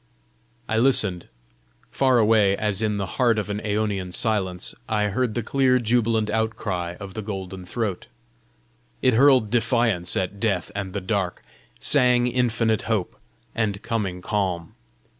I listened. Far away as in the heart of an æonian silence, I heard the clear jubilant outcry of the golden throat. It hurled defiance at death and the dark; sang infinite hope, and coming calm.